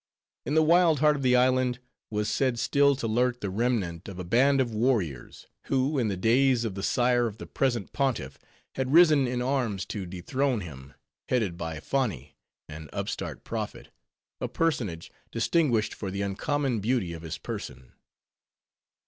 In the wild heart of the island, was said still to lurk the remnant of a band of warriors, who, in the days of the sire of the present pontiff, had risen in arms to dethrone him, headed by Foni, an upstart prophet, a personage distinguished for the uncommon beauty of his person.